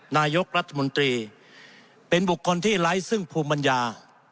นายกรัฐมนตรีเป็นบุคคลที่ไร้ซึ่งภูมิปัญญา